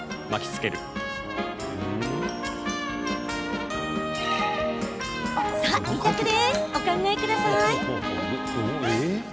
さあ、お考えください。